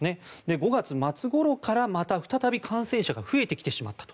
５月末ごろからまた再び感染者が増えてきてしまったと。